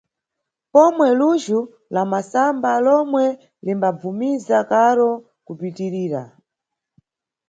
Pomwe lujhu la masamba lomwe limbabvumiza karo kupitirira.